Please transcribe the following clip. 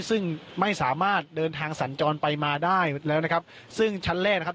ซึ่งไม่สามารถเดินทางสัญจรไปมาได้แล้วนะครับซึ่งชั้นแรกนะครับ